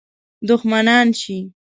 دښمنان شي.